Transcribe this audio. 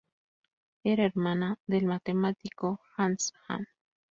Era hermana del matemático Hans Hahn.